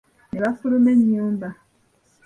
Nebafuluma ennyumba.